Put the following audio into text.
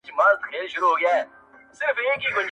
زما لېونی نن بیا نيم مړی دی، نیم ژوندی دی